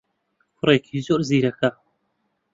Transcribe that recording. کوڕێکی زۆر زیرەکە.